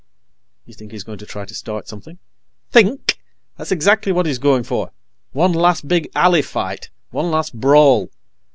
"You think he's going to try to start something?" "Think! That's exactly what he's going for. One last big alley fight. One last brawl.